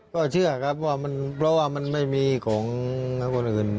ก็เชื่อครับว่ามันเพราะว่ามันไม่มีของคนอื่น